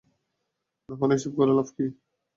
না হলে এসব করে লাভ কী?